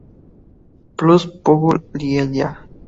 Plus Pujol Lleida